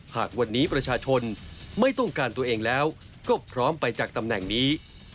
หากวันนี้ประชาชนไม่ต้องการตัวเองแล้วก็พร้อมไปจากตำแหน่งนี้